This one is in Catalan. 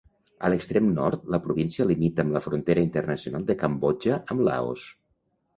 A l'extrem nord la província limita amb la frontera internacional de Cambodja amb Laos.